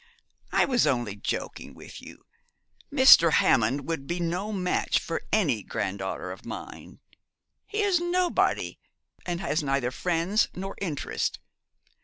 I was only joking with you. Mr. Hammond would be no match for any granddaughter of mine. He is nobody, and has neither friends nor interest.